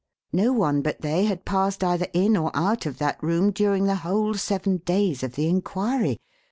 No one but they had passed either in or out of that room during the whole seven days of the inquiry.